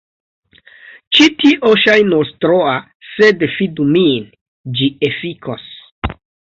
Ĉi tio ŝajnos troa sed fidu min, ĝi efikos.